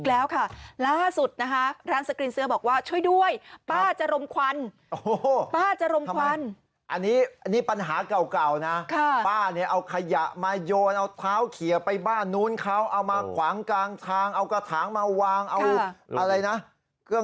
อะไรนะเครื่องซักป้าเก่าเลยมาวางได้ไปหมดเลย